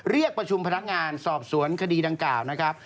เรียกประชุมพนักงานสอบสวนคดีดังกล่าวนะครับ